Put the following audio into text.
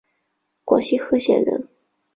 广西贺县人。